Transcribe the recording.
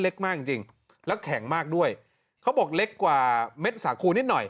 มากจริงจริงแล้วแข็งมากด้วยเขาบอกเล็กกว่าเม็ดสาคูนิดหน่อย